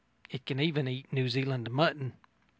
It can eat New Zealand mutton.